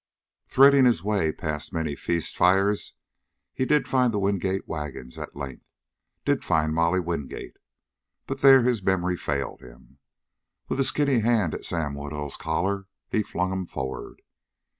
Threading the way past many feast fires, he did find the Wingate wagons at length, did find Molly Wingate. But there his memory failed him. With a skinny hand at Sam Woodhull's collar, he flung him forward.